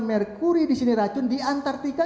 merkuri di sini racun di antartika